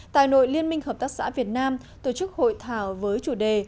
tại nội liên minh hợp tác xã việt nam tổ chức hội thảo với chủ đề